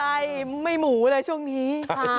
ใช่ไม่หมูเลยช่วงนี้